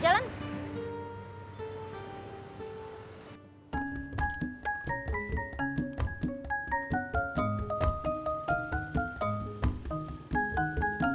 jalan jalan duluan dulu